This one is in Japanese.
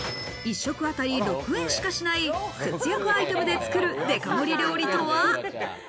１食当たり６円しかしない節約アイテムで作るデカ盛り料理とは？